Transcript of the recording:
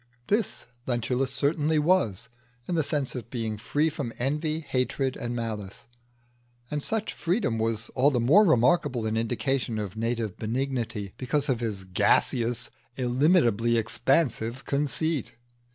This Lentulus certainly was, in the sense of being free from envy, hatred, and malice; and such freedom was all the more remarkable an indication of native benignity, because of his gaseous, illimitably expansive conceit.